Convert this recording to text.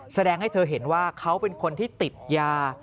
แสดงให้เธอเห็นว่าเขาเป็นคนที่ติดยา